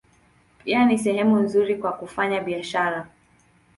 Pia ni sehemu nzuri kwa kufanya biashara.